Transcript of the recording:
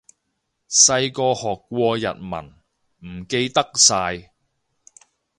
細個學過日文，唔記得晒